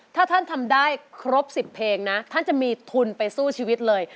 ถ้าท่านทำได้ครบ๑๐เพลงนะท่านจะมีทุนไปสู้ชีวิตเลย